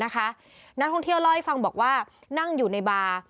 นักท่องเที่ยวเล่าให้ฟังบอกว่านั่งอยู่ในบาร์